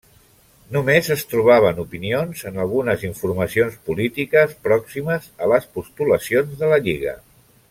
Només es trobaven opinions en algunes informacions polítiques, pròximes a les postulacions de la Lliga.